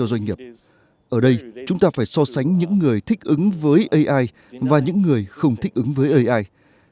ở đây chúng ta phải so sánh những người thích ứng với ai và những người không thích ứng với ai